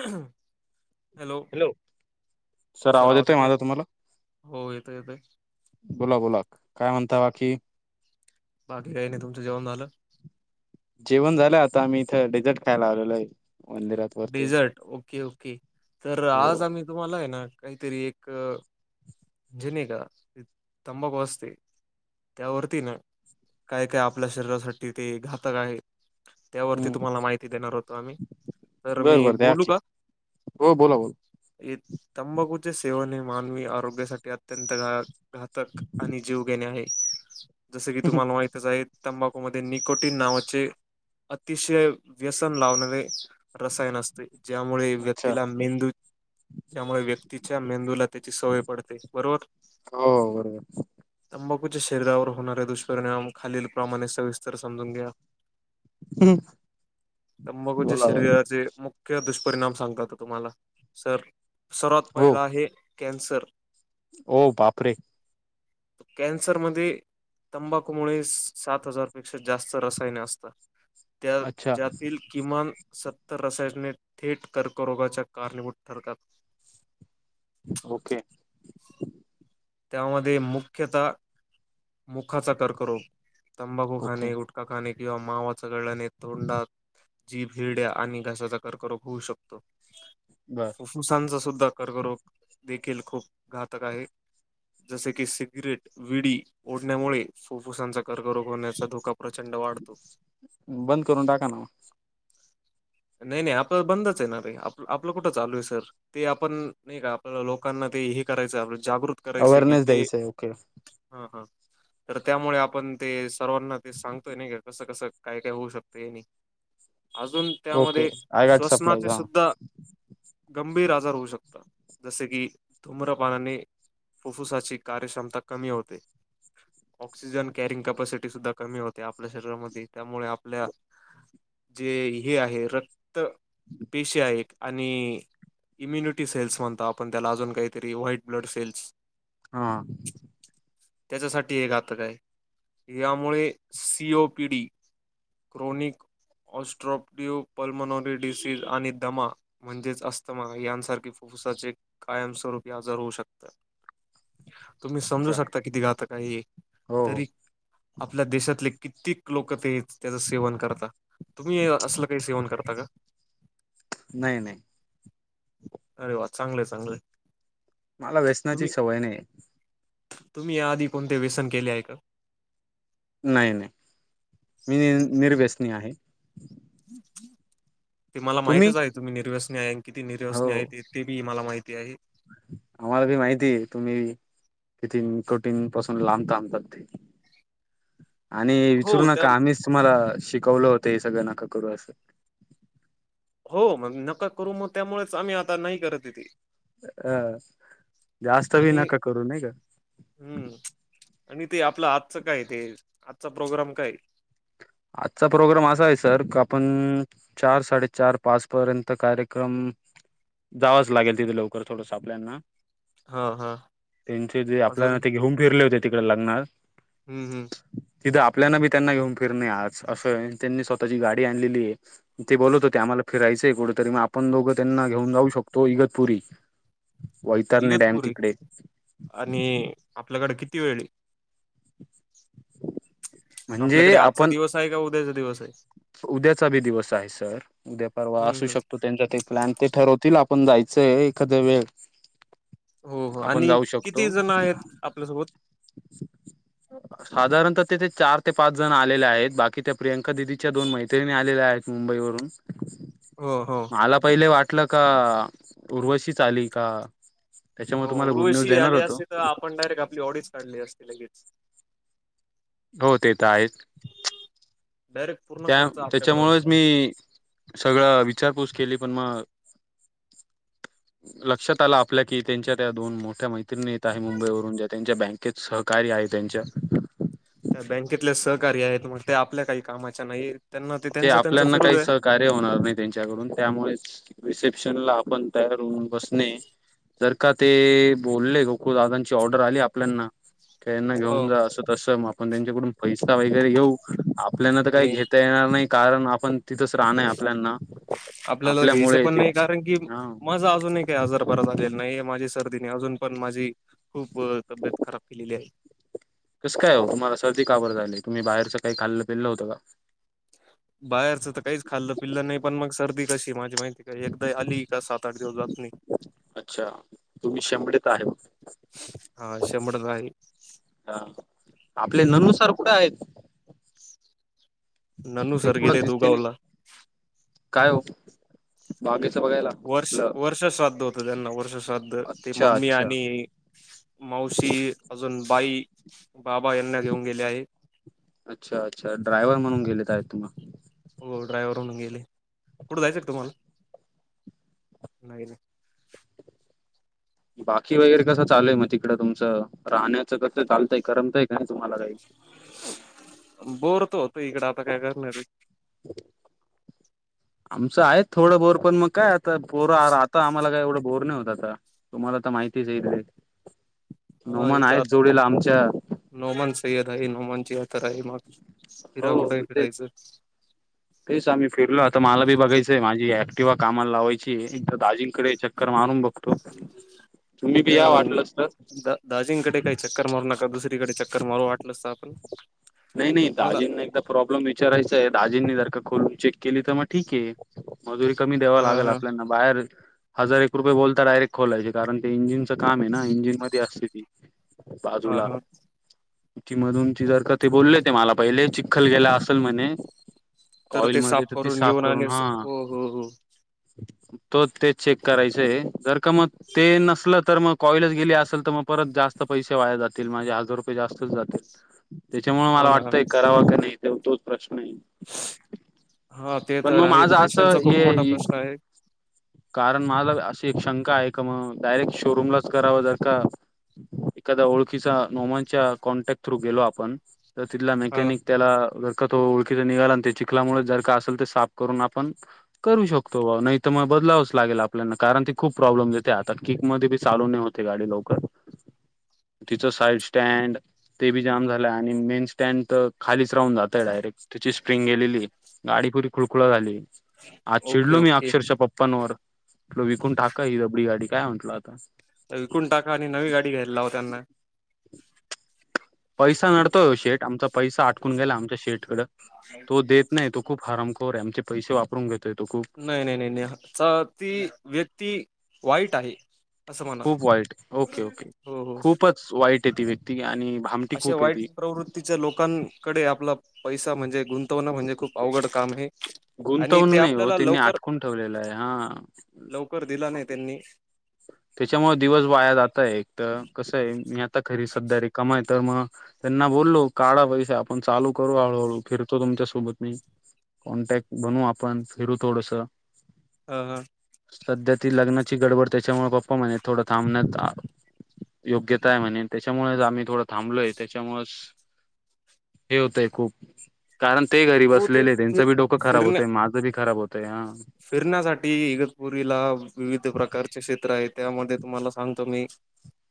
Hello hello sir आवाज येतोय हो येत येते बोला बोला काय म्हणता बाकी बाकी काही नाही तुमच जेवण झालं जेवण झालं आता आम्ही इथं डेझर्ट खायला आलेलो आहे. मंदिरात वरती डेझर्ट ओके ओके तर हो आज आम्ही तुम्हाला आहे ना काहीतरी एक जिनेगा तंबाकू असते. त्यावरती ना काय काय आपल्या शरीरासाठी ते घातक आहे. त्यावरती हम्म तुम्हाला माहिती देणार होतो आम्ही. तर बर मी बर द्या बोलू की का? हो बोला बोला तंबाखूचे सेवन हे मानवी आरोग्यासाठी अत्यंत गा घातक आणि जीव घेणे आहे, जसं की तुम्हाला माहितच आहे तंबाखूमध्ये निकोटीन नावाचे अतिशय व्यसन लावणारे रसायन असते ज्यामुळे अच्छा व्यक्तीला मेंदू त्यामुळे व्यक्तीच्या मेंदूला त्याची सवय पडते बरोबर. हो बरोबर तंबाखूच्या शरीरावर होणारे दुष्परिणाम खालील प्रमाणे सविस्तर समजून घ्या. हं. तंबाखूच्या शरीराचे मुख्य दुष्परिणाम सांगतातो तुम्हाला सर सर्वात पहिला आहे कॅन्सर. ओ बापरे. कॅन्सरमध्ये तंबाखूमुळे सात हजारपेक्षा जास्त रसायने असतात, त्या अच्छा ज्यात किमान सत्तर रसायने थेट कर्क रोगाच्या कारणीभूत ठरतात. ओके. त्यामध्ये मुख्यतः मुखाचा कर्करोग तंबाखू ओके खाणे गु काकाने किंवा मावा चगळ्याने तोंडात जीभ हिरड्या आणि घश्याचा कर्करोग होऊ शकतो. बरं. फुफ्फुसांचा सुद्धा कर्करोग देखील खूप घातक आहे. जैसे की सिगरेट विडी ओढण्यामुळे फुफ्फुसांचा कर्करोग होण्याचा धोका प्रचंड वाढतो. बंद करून टाका ना मग. नाही नाही आपलं बंदच येणार आहे आप आपलं कुठं चालू आहे सर. ते आपण नाही का आपल्या लोकांना ते हे करायचं आप जागृत करायच की अवेअरनेस ते द्यायचं आहे ओके हा हा. तर त्यामुळे आपण ते सर्वांना ते सांगतोय नाही कसं कसं काय काय होऊ शकतं आहे नाही. अजून ओके त्यामध्ये आय गॅट सप्लायज श्वसनाचे हा सुद्धा गंभीर आजार होऊ शकता. जसे की धूम्र पानाने फुफ्फुसाची कार्यक्षमता कमी होते. ऑक्सिजन कॅरिंग कॅपसिटी सुद्धा कमी होते, आपल्या शरीरामध्ये त्यामुळे आपल्या जे हे आहे रक्त पेशे आहेत आणि इम्युनिटी सेल्स म्हणतो आपण त्याला अजून काहीतरी व्हाईट ब्लड सेल्स हा. त्याच्यासाठी हे घातक आहे. यामुळे C O P D chronic obstructive pulmonary disease आणि दमा म्हणजेच अस्थमा यांसारखे फुफूसाचे कायमस्वरूपी आजर होऊ शकतं. तुम्ही समजू अच्छा शकता किती घातक आहे हे हो हो तरी आपल्या देशातले कित्येक लोक ते त्याचं सेवन करतात, तुम्ही असलं काही सेवन करता का? नाही नाही. अरे वा चांगलंय चांगलंय. मला व्यसनाची तुम्ही सवय नाही. तुम्ही याआधी कोणते व्यसन केले आहे का? नाही नाही मी निर्व्यसनी आहे. ते मला माहितच आहे तुम्ही निर्वसनी किती निर्वसनी हो आहे ते ते बी मला माहिती आहे. आम्हाला भी माहिती तुम्ही? किती तटीन पासून लांबताांबतात [unintelligible] आणि विसरु हो त्या नका आम्हीच तुम्हाला शिकवलं होतं हे सगळं नका करू असं. हो मग नका करू मग त्यामुळेच आम्ही आता नाही करत येते. अह जास्त विी आणि नका करू न का? हम्म आणि ते आपलं आजचं काय ते आजचा प्रोग्राम काय? आजचा प्रोग्राम असा आहे सर का आपण चार साडेचार पाच पर्यंत कार्यक्रम जावंच लागेल तिथे लवकर थोडंस आपल्यांना. हा हा त्यांचे जे आपल्या अजून ते घेऊन फिरले होते तिकडे लग्नात. हम्म हम्. तिथं आपल्याला बी त्यांना घेऊन फिरणे आज असं त्यांनी स्वतःची गाडी आणलेली आहे. ते बोलत होते आम्हाला फिरायचंय कुठेतरी मग आपण दोघं त्यांना घेऊन जाऊ शकतो इगतपुरी वैतरणी डॅम इगतपुरी तिकडे आणि आपल्याकडे किती वेळी म्हणजे आपल्याकडे आजचा आपण दिवस आहे का उद्याचा दिवस आहे. उद्याचा बी दिवस आहे सर उद्या परवा हम्म हम्म असू शकतो. ते प्लॅन ते ठरवतील आपण जायचंय एखाद्या वेळ हो हो आपण आणि जाऊ किती जण आहेत आपल्यासोबत साधारणत तेथ. चार ते पाच जण आलेले आहेत बाकी त्या प्रियंका दिदीच्या दोन मैत्रिणी आलेल्या आहेत मुंबई वरून ह हा. मला पहिले वाटलं का उर्वशीच आली का? अ त्याच्यामुळे तुम्हाला गुड न्यूज उर्ुविशी देणार आली होतो असते तर आपण डायरेक्ट आपली ऑडीिच काढली असते लगेच. हो ते तर आहेत. बर. त्या त्याच्यामुळेच मी सगळं विचारपूस केली पण मग लक्षात आला आपल्या कि त्यांच्या त्या दोन मोठ्या माहि. आहे मुंबई वून ज्या त्यांच्या बँकेत सहकारी आहे त्यांच्या त्या बँकेतले सहकारी आहेत मग ते आपल्या काही कामाच्या नाही त्यांना ते त्यांच त्यांचा फिरद आहे. कार्य होणार नाही त्यांच्याकडून त्यामुळे रिसेप्शनला आपण तर होऊन बस जर का ते बोलले ग खू दादांची ऑर्डर आली आपल्याना का यांना घेऊन हो. जा असं तसं. पण त्यांच्याकडून पैसा वगैरे घेऊ आपल्याना तर काही आणि घेता येणार नाही. ण आपण तिथच राहण आपल्याना आपल्याला घ्यायचं आपल्यामुळे पण त नाही कारण की हा. माझा अजूनही काही आजार बरा झालेला नाही माझी सर्दीने अजून पण माझी खूप तब्येत खराब केलेली आहे. कसं काय हो तुम्हाला सर्दी काब झाली आहे तुम्ही बाहेरच का खाल्लं पेल्लं होत का [unintelligible] बाहेरचं तर काहीच खाल्लं पिल्लं नाही पण मग सर्दी कशी माझी माहिती काय एकदा आली का सात आठ दिवस जात नाही अच्छा. तुम्ही शेमडीेत आहे. हा शंमडलाई. हा आपले ननु सार कुठे आहेत. ननू ते सर कुढं गेले दिसते नाही दुगावला काय हो बागेच बघायला वर्ष आपलं वर्षश्राद्ध होत त्यांना वर्षश्राद्ध ते अच्छा मम्मी अच्छा आणि मावशी अजून बाई, बाबा यांना घेऊन गेले आहे. अच्छा अच्छा ड्रायव्हर म्हणून गेले आहेत तुम्ही. हो ड्रायव्हर म्हणून गेले कुठे जायचक तुम्हाला नाही नाही. बाकी वगैरे कसं चालूय मग तिकडं तुमचं राहण्याचं कसं चालतंय करमताय का नाही तुम्हाला काही? बोर तर होत इकडं आता काय करणारे. [inaudible] आमचं आहे थोडं बोर पण मग काय आता बोर आता आम्हाला काय एवढं बोर नाही होत आता. तुम्हाला तर माहितीच येईल. [inaudible] हा इथ आता आमच्या नोमान सय्यद आहे नोमानची आ तर आहे मग फिरा हो कुठे तेच. फिरायचं [inaudible] तेच आम्ही फिरलो आता मला बी बघायंय माझी ऍटिवा कामाला लावायची एक तर दाजिंकडे चक्कर मारून बघो तुम्ही का या वाटलच तर दार्जिंगकडे काही चक्कर मारू नका दुसरीकडे चक्कर मारू वाटलंसत आपण नाही नाही मला दाजींना एकदा प्रॉब्लेम विचारायचा आहे दाजींनी जर का करून चेक केली तर मग ठीके मजुरी कमी द्यावा हा लागेल हा आपल्याना बाहेर हजार एक रुपये बोलता डायरेक्ट खोलायचे कारण ते इंजिनचं काम आहे ना इंजिन मध्ये असते ती. हा बाजूला हा ती मधून ती जर का ते बोलले ते मला पहिले चिखल गेला असेल म्हणे. तर ते साफ कॉइलमध्ये तर ती साफ घेऊन करून आणि हा. स- हो हो हो तोच तेच चेक करायचंय जर का मग ते नसलं तर मग. कॉईलज गेले असेल तर मग परत जास्त पैसे वाया जातील माजे हजार रुपये जास्तच जातील. त्याच्यामुळे हो मला ना वाटतंय करावं का नाही तेव तोच प्रश्न आहे. हा ते पण तर मग आहे माझं असं पैशांचा खूप मोठा हे प्रश्न आहे. कारण मला अशी एक शंका आहे का मग डायरेक्ट शोरूमलाच करावं जर का. एखादा ओळखीचा नोमनच्या कॉन्टॅक्ट थ्रू गेलो आपण तर तिथला हा मेकॅनिक त्याला जर का तो ओळखीचा निघाला आणि ते चिखलामुळे जर का असेल तर साफ करून आपण करू शकतो बाऊ नाही तर मग बदलावंच लागेल आपल्याना कारण ती खूप प्रॉब्लेम येते आता किक ममध्ये बी चालू होत. गाडी लवकर. [inaudible] तिचं साईड स्टँड ते बी जाम झालं आहे. आणि मेन स्टँड तर खालीच राहून जातय डायरेक्ट तिची स्प्रिंग गेलेली. गाडी पुरी खुळखुळा झाली आज ओके चिडलो मी ओके अक्षरक्षा पप्पांवर. विकून टाका ही दबडी गाडी काय म्हटलं आता. विकून टाका आणि नवी गाडी घ्यायला लाव त्यांना. पैसा नडतोय शेठ आमचा पैसा आटकून गेला आमच्या शेटकडं. तो देत नाही तो खूप हरामखोर आहे आमचे पैसे वापरून घेतोय तो खूप नाही नाही नाही नाही ती व्यक्ती वाईट आहे. असं म्हणा खूप वाईट ओके ओके हो हो खूपच वाईट आहे ती व्यक्ती आणि भामटी अशा खूप आहे वाईट ती प्रवृती च्या लोकांकडे आपला पैसा म्हणजे गुंत तो म्हणजे खूप अवघड काम आहे आणि ते गुंतवणूक आप नाही हो त्यांनी आटकून ठेवलेलं आहे हा. लवकर दिला नाही त्यांनी. त्याच्यामुळे दिवस वाया जातय एक तर कसं आहे मी आता खरी सध्या रिकामा आहे तर मग त्यांना बोललो काढा पैसे आपण चालू करू हळूहळू फिरतो तुमच्या सोबत मी. कॉन्टॅक्ट बनू आपण फिरू थोडसं. हम्म हम्म. सध्या ती लग्नाची गडबड त्याच्यामुळे पप्पा म्हणे थोडा थांबण्यात आ योग्यता आहे म्हणे त्याच्यामुळे आम्ही थोडं थांबलोय त्याच्यामुळेच. हे होतंय खूप. कारण ते घरी हो ते बसलेले आहे फिर त्यांचं बी डोकं खराब फिरण्या होतय माझं बी खराब होतंय हा फिरण्यासाठी इगतपुरीला विविध प्रकारचे क्षेत्र आहे त्यामध्ये तुम्हाला सांगतो मी.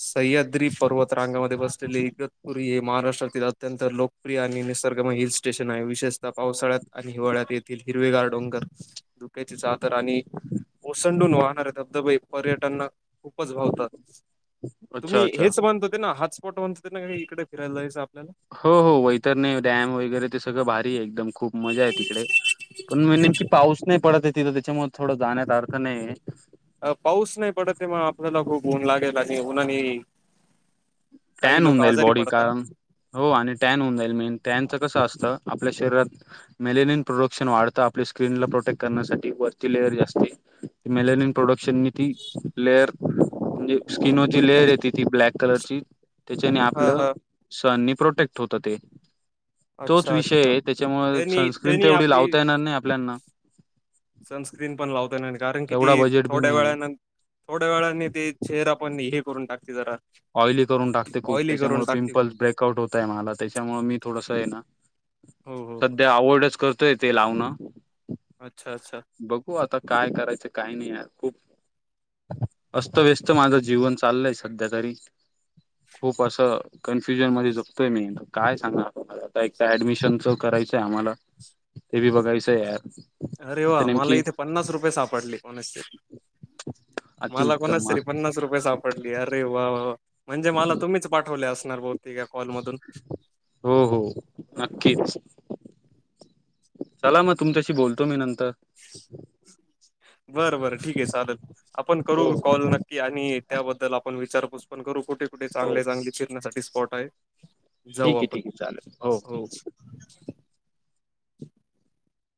सह्याद्री पर्वत रांगामध्ये बसलेले इगतपर हे महाराष्ट्रातील अत्यंत लोकप्रिय आणि निसर्गम हिल स्टेशन आहे विशेषत पावसाळ्यात. आणि हिवाळ्यात येथील हिरवेगार डोंगर. दुक्याची चादर आणि ओसंडून वाहणारे धबधबे. पर्यटनना खूपच भावतात अच्छा तुम्ही अच्छा हेच मानत ते ना हॉटस्पॉटन. इकडे फिरायला. आपल्याला हो हो वैतरणी डॅम वगैरे ते सगळं भारी आहे एकदम खूप मजा आहे तिकडे. पण नेमकी पाऊस नाही पडत आहे तिथं त्याच्यामुळे थोडं जाण्याचा अर्थ नाही. अ पाऊस नाही पडतय मग आपल्याला खूप ऊन लागेल आणि उन्हानी टॅन होऊ जाईल बॉडी पडतात. कारण हो आणि टॅन होऊन जाईल मेन टॅनच कसं असतं आपल्या शरीरात मेलेनियन प्रोडक्शन वाढत आपली स्क्रीन ला प्रोटेक्ट करण्यासाठी वरती लेअर जास्ती त मेल नि प्रोडक्शन ती लेअर म्हणजे स्किनवरची लेयर येते ती ब्लॅक कलरची त्याच्याने हा आपलं हा सणनी प्रोटेक्ट होत ते तोच अच्छा विषय अच्छा. आहे त्याच्यामु त्यांनी सनस्क्रीन ते त्यांनी एवढी आपली लावता येणार नाही आपल्याना सनस्क्रीन पण लावता कारण किती तेवढा बजेट बी थोड्या नाही वेळानंत थोड्या वेळानी ते चेर आपण हे करून टाकते जरा ऑइली करून टाकते खूप ऑइली करून त्याच्यामुळे टाकते खूप. पिं्पल्स ब्रेकआउट होतय मला त्याच्यामुळे मी थोडसं आहे ना हो हो हो. सध्या आवर्डच करतोय ते लावणं अच्छा अच्छा बघू आता काय करायचं काय नाही आहे खूप अस्त व्यस्त माझं जीवन चाललंय सध्या तरी ह खूप असं कन्फ्युजन मध्ये जगतोय मी काय सांगामला आता एक ऍडमिशनच करायचं आम्हाला ते बी बघायचं यार अरे वा तुमचं मला नेमकी इथे पन्नास रुपये सापडले कोणाचे तरीही मला अतिउत्तम कोणाच तरी पन्नास रुपये सापडली यार अरे वा म्हणजे मला तुम्हीच पाठवले असणार बती कॉलमधून हो हो नक्कीच चला मग तुमच्याशी बोलतो मी नंतर बर बरं ठीक आहे चालत आपण करू हो कॉल नक्की आणि त्याबद्दल आपण विचारपूस पण करू कुठे कुठे हो चांगले चांगले चिरण्यासाठी स्पॉट आहे जाऊ ठीक आहे आपण ठीक आहे चालेल हो